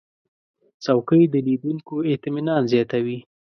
چوکۍ د لیدونکو اطمینان زیاتوي.